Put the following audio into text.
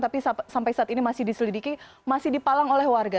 tapi sampai saat ini masih diselidiki masih dipalang oleh warga